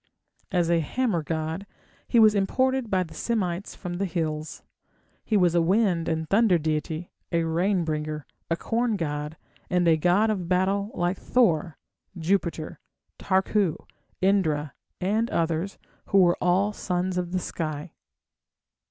As a hammer god, he was imported by the Semites from the hills. He was a wind and thunder deity, a rain bringer, a corn god, and a god of battle like Thor, Jupiter, Tarku, Indra, and others, who were all sons of the sky.